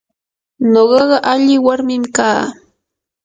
nuqaqa alli warmim kaa.